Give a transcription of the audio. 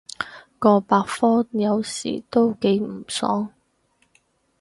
個百科有時都幾唔爽